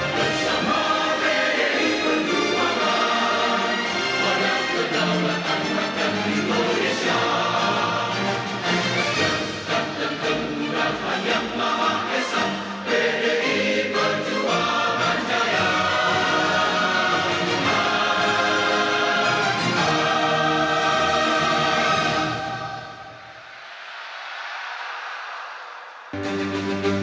bersama pdi perjuangan bersama pdi perjuangan